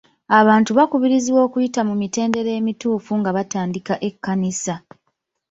Abantu bakubirizibwa okuyita mu mitendera emituufu nga batandika ekkanisa,